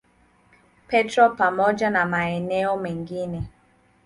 Petro pamoja na maeneo mengine.